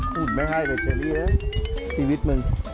พูดไม่ให้เลยเชลลี่เลยสีวิทย์มึง